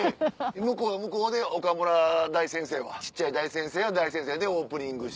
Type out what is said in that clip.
向こうは向こうで岡村大先生は小っちゃい大先生は大先生でオープニングして。